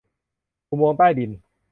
อุโมงค์ใต้ดิน